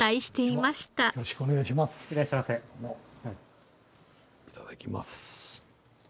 いただきます。